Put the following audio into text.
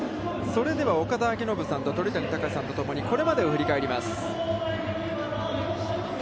それでは岡田彰布さんと鳥谷敬さんとともに、これまでを振り返ります。